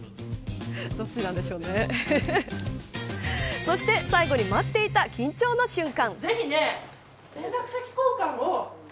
そして最後に待っていた緊張の瞬間。